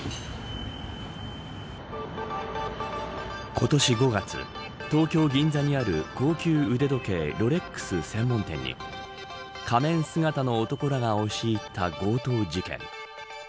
今年５月東京・銀座にある高級腕時計ロレックス専門店に仮面姿の男らが押し入った強盗事件。